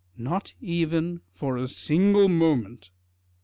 Not even for a single moment?